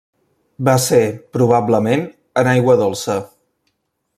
Va ser, probablement, en aigua dolça.